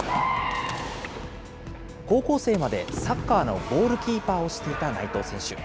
高校生までサッカーのゴールキーパーをしていた内藤選手。